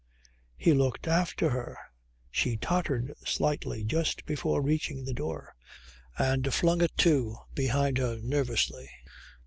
He looked after her. She tottered slightly just before reaching the door and flung it to behind her nervously.